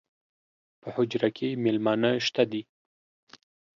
پۀ حجره کې میلمانۀ شته دي